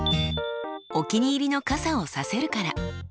「お気に入りのカサをさせるから」。